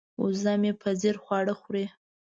وزه مې په ځیر خواړه خوري.